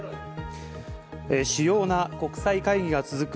主要な国際会議が続く